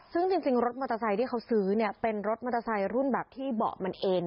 ซึ่งจริงรถมอเตอร์ไซค์ที่เขาซื้อเนี่ยเป็นรถมอเตอร์ไซค์รุ่นแบบที่เบาะมันเอ็น